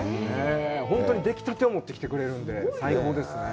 本当にできたてを持ってきてくれるので最高ですね。